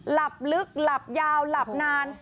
หลับลึกหลับยาวหลับนาน